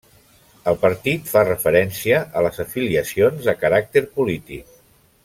El partit fa referència a les afiliacions de caràcter polític.